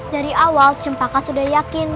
dari awal cempaka sudah yakin